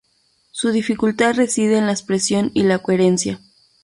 Su dificultad reside en la expresión y la coherencia.